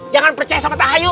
jangan percaya sama tak hayul